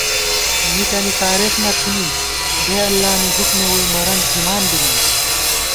مِکَنی تارېخ نہ تھنی بےاللہ نی حُکُمےووئی مَرَن تھِمانبی نئ